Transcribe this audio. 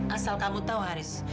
asal kamu tahu haris